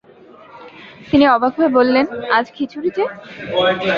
তিনি অবাক হয়ে বললেন, আজ খিচুড়ি যে!